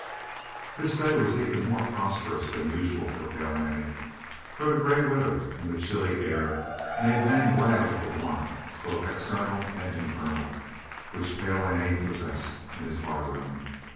This day was even more prosperous than usual for Pale Annie, for the grey weather and the chilly air made men glad of the warmth, both external and internal, which Pale Annie possessed in his barroom.